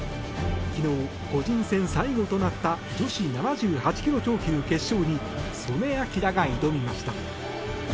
昨日、個人戦最後となった女子７８ｋｇ超級決勝に素根輝が挑みました。